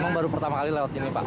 emang baru pertama kali lewat sini pak